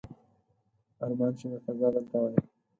ارمان چې مرتضی دلته وای!